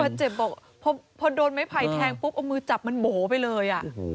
โอ้ยน่าตกใจเนอะผู้ป่าเจ็บพอโดนไม้ไผ่แทงปุ๊บเอามือจับมันโบ๋ไปเลย